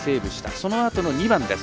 そのあとの２番です。